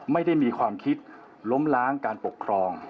ไม่ได้มีความคิดล้มล้างการปกครอง